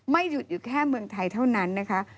หยุดอยู่แค่เมืองไทยเท่านั้นนะคะ